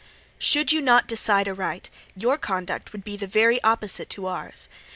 Should you not decide aright, your conduct would be the very opposite to ours.